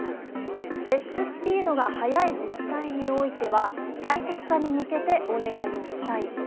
接種スピードが早い自治体においては最適化に向けてお願いをしたい。